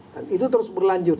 dan itu terus berlanjut